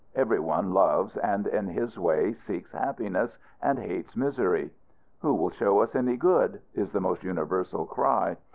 Every one loves, and, in his way, seeks happiness, and hates misery. "Who will show us any good?" is the almost universal cry.